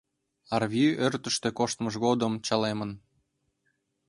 Арви ӧрдыжтӧ коштмыж годым чалемын.